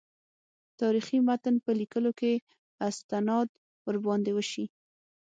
تاریخي متن په لیکلو کې استناد ورباندې وشي.